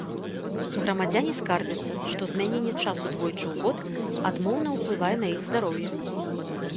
Грамадзяне скардзяцца, што змяненне часу двойчы ў год адмоўна ўплывае на іх здароўе.